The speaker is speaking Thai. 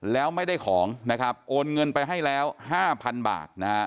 แล้วไม่ได้ของโอนเงินไปให้แล้ว๕๐๐๐บาท